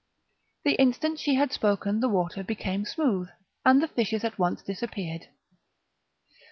The instant she had spoken the water became smooth, and the fishes at once disappeared.